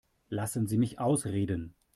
Lassen Sie mich ausreden.